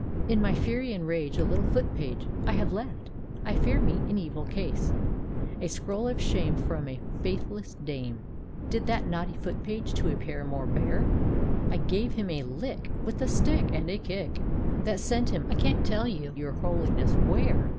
In my fury and rage A little Foot page I have left, I fear me, in evil case: A scroll of shame From a faithless dame Did that naughty Foot page to a paramour bear: 1 gave him a ' lick ' With a stick, And a kick, That sent him — I can't tell your Holiness where!